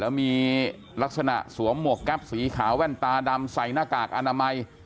แล้วมีลักษณะสวมหมวกแก๊ปสีขาวแว่นตาดำใส่หน้ากากอนามัย